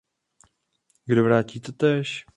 Kdo vrátí totéž?